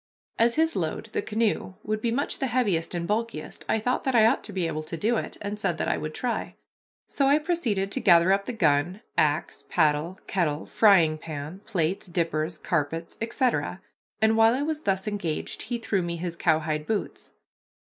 As his load, the canoe, would be much the heaviest and bulkiest, I thought that I ought to be able to do it, and said that I would try. So I proceeded to gather up the gun, axe, paddle, kettle, frying pan, plates, dippers, carpets, etc., and while I was thus engaged he threw me his cowhide boots.